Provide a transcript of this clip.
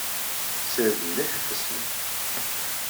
Ssired mliḥ ifassen-nnem.